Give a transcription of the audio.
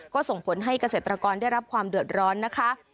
ก็ส่งผลให้เกษตรกรได้รับความเดือดร้อนนะคะ